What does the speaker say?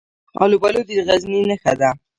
الوبالو د غزني نښه ده.